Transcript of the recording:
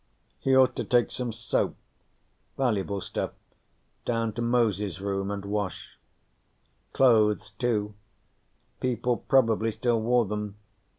He ought to take some soap valuable stuff down to Moses' room and wash. Clothes, too. People probably still wore them.